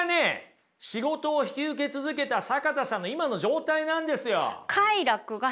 仕事を引き受け続けた坂田さんの今の状態なんですよ。